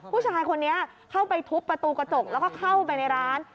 ผู้ชายคนนี้เข้าไปทุบประตูกระจกแล้วก็เข้าไปในร้าน